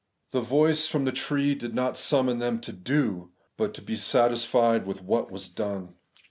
The voice from the tree did not summon them to do, but to be satisfied with what was done.